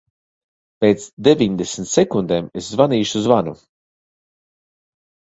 Pēc deviņdesmit sekundēm es zvanīšu zvanu.